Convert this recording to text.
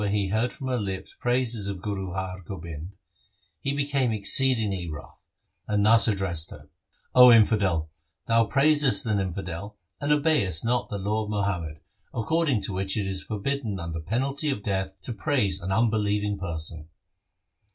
44 THE SIKH RELIGION heard from her lips praises of Guru Har Gobind, he became exceedingly wroth, and thus addressed her :' O infidel, thou praisest an infidel and obeyest not the law of Muhammad, according to which it is forbidden under penalty of death to praise an unbelieving person.'